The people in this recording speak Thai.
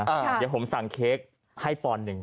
เดี๋ยวผมสั่งเค้กให้ปอนด์หนึ่ง